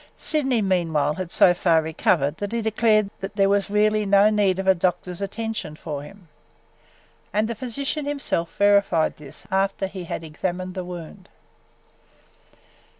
Sydney meanwhile had so far recovered that he declared there was really no need of a doctor's attention for him. And the physician himself verified this after he had examined the wound.